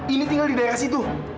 ini tinggal di daerah situ